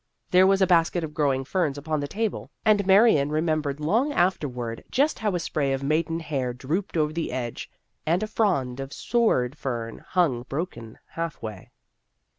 There was a basket of growing ferns upon the table, and Marion remembered long afterward just how a spray of maiden hair drooped over the edge and a frond of sword fern hung broken half way.